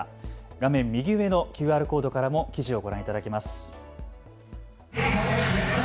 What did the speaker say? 画面右上のＱＲコードからも記事をご覧いただけます。